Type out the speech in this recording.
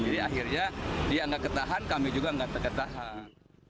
jadi akhirnya dia gak ketahan kami juga gak ketahan